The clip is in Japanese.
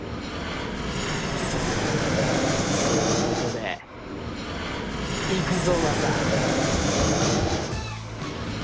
つうことで行くぞマサ。